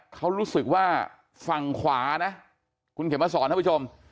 เขารู้สึกว่าฝั่งขวานะคุณเข็มมาสอนท่านผู้ชม